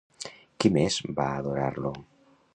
Qui més va adorar-lo?